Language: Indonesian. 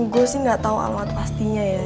gue sih gak tau alamat pastinya ya